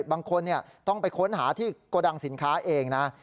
บางคนต้องไปค้นหาที่โกดังสินค้าเองนะ